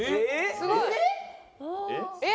すごい！えっ？